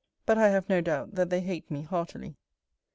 But I have no doubt, that they hate me heartily.